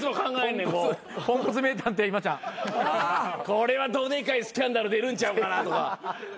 これはどでかいスキャンダル出るんちゃうかなとか。